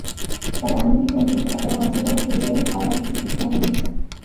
তবে আগামী টি-টোয়েন্টি বিশ্বকাপেও বাছাইপর্ব খেলতে হওয়ার অস্বস্তি ঠিকই কাঁটা হয়ে বিঁধছে।